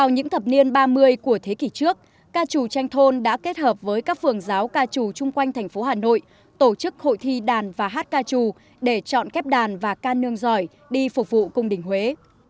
ngoài thế kỷ trước ca trù tranh thôn đã kết hợp với các phường giáo ca trù chung quanh thành phố hà nội tổ chức hội thi đàn và hát ca trù để chọn kép đàn và ca nương giỏi đi phục vụ cung đình huế